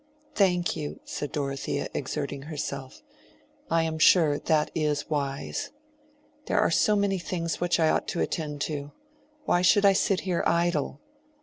"Thank you," said Dorothea, exerting herself, "I am sure that is wise. There are so many things which I ought to attend to. Why should I sit here idle?"